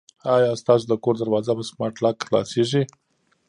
آیا ستاسو د کور دروازه په سمارټ لاک خلاصیږي؟